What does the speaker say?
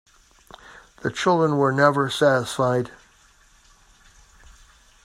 The children were never satisfied.